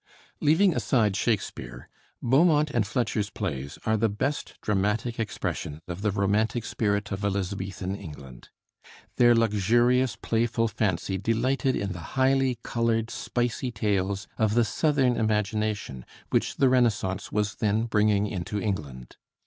Leaving aside Shakespeare, Beaumont and Fletcher's plays are the best dramatic expression of the romantic spirit of Elizabethan England. Their luxurious, playful fancy delighted in the highly colored, spicy tales of the Southern imagination which the Renaissance was then bringing into England.